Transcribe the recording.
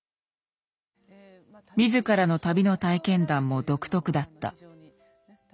自らの旅の体験談も独特だった。